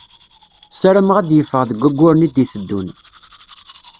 Ssarameɣ ad d-yeffeɣ deg wayyuren i d-iteddun.